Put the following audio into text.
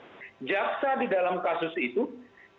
ya ada yang sampai di monis dua puluh tahun